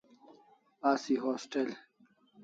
Asi hostel